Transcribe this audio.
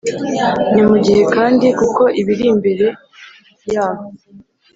ni mu gihe kandi, kuko ibiri mbere yaho